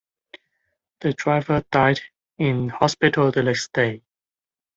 The driver died in hospital the next day.